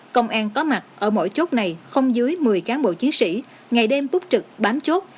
công an có mặt ở mỗi chốt này không dưới một mươi cán bộ chiến sĩ ngày đêm túc trực bám chốt